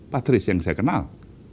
patrice yang saya kenal